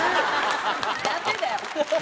ダメだよ。